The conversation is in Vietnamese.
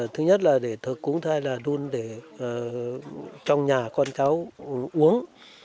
thứ nhất là để thực cúng thai là đun để trong nhà con cháu uống